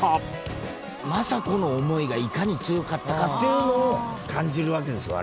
政子の思いがいかに強かったかっていうのを感じるわけですよ